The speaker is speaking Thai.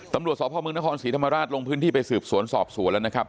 ตำรวจสพมนครศรีธรรมราชลงพื้นที่ไปสืบสวนสอบสวนแล้วนะครับ